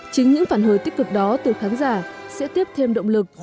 chính những phản hồi tích cực đó từ khán giả sẽ tiếp thêm động lực